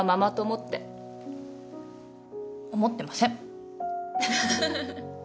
思ってません。